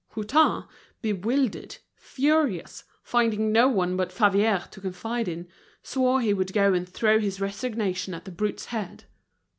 Hutin, bewildered, furious, finding no one but Favier to confide in, swore he would go and throw his resignation at the brute's head.